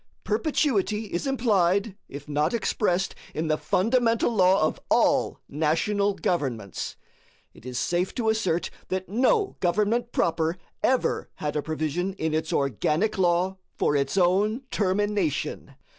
Perpetuity is implied, if not expressed, in the fundamental law of all national governments. It is safe to assert that no government proper ever had a provision in its organic law for its own termination.